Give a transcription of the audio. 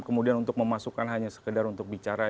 kemudian untuk memasukkan hanya sekedar untuk bicara